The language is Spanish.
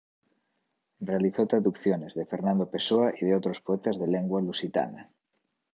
Realizó traducciones, de Fernando Pessoa y de otros poetas de lengua lusitana.